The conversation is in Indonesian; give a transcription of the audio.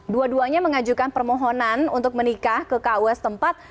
dua duanya mengajukan permohonan untuk menikah ke kws tempat